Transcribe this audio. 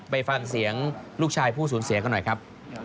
ไปฟังเสียงลูกชายผู้สูญเสียกันหน่อยครับ